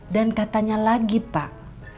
dan katanya lagi pak